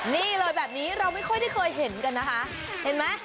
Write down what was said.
นี่เลยแบบนี้เราไม่ค่อยได้เคยเห็นกันนะคะเห็นไหม